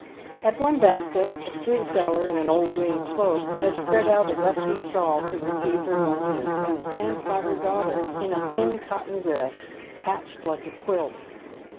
At one basket a street seller, in an old green cloak, has spread out a rusty shawl to receive her bunches, and by her stands her daughter, in a thin cotton dress, patched like a quilt.